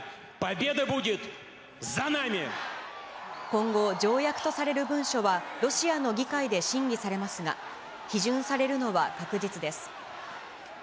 今後、条約とされる文書は、ロシアの議会で審議されますが、批准されるのは確実です。